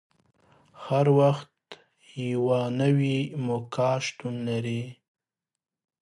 هر وخت یوه نوې موقع شتون لري.